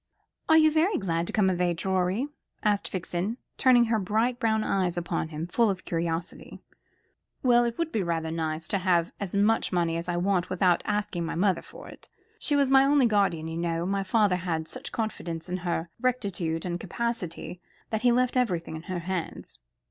"Are you very glad to come of age, Rorie?" asked Vixen, turning her bright brown eyes upon him, full of curiosity. "Well, it will be rather nice to have as much money as I want without asking my mother for it. She was my only guardian, you know. My father had such confidence in her rectitude and capacity that he left everything in her hands."